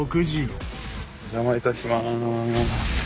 お邪魔いたします。